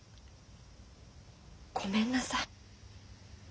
ごめんなさい。